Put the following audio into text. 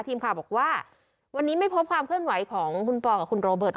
ทีมข่าวบอกว่าวันนี้ไม่พบความเคลื่อนไหวของคุณปอลกับคุณโรเบิร์ต